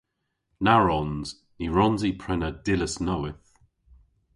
Na wrons. Ny wrons i prena dillas nowydh.